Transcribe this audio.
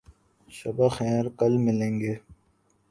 شب بخیر. کل ملیں گے